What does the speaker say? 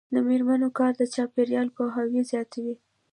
د میرمنو کار د چاپیریال پوهاوی زیاتوي.